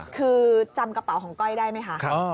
คือจำกระเป๋าของก้อยได้ไหมคะ